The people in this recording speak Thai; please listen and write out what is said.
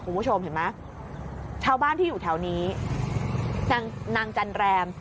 คุณผู้ชมเห็นไหมชาวบ้านที่อยู่แถวนี้นางนางจันแรม